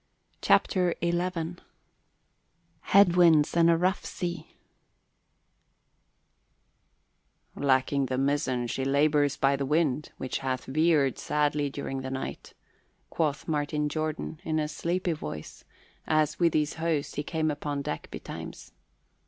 CHAPTER XI HEAD WINDS AND A ROUGH SEA "Lacking the mizzen she labours by the wind, which hath veered sadly during the night," quoth Captain Jordan in a sleepy voice, as with his host he came upon deck betimes.